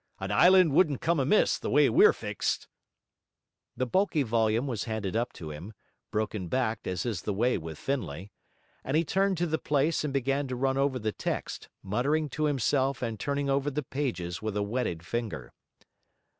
An island wouldn't come amiss, the way we're fixed.' The bulky volume was handed up to him, broken backed as is the way with Findlay; and he turned to the place and began to run over the text, muttering to himself and turning over the pages with a wetted finger.